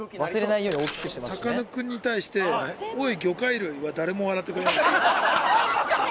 「さかなクンに対して“おい魚介類”は誰も笑ってくれなかった」ハハハハ！